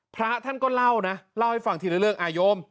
พระท่านก็เล่านะเล่าให้ฟังทีละเรื่องอาโยม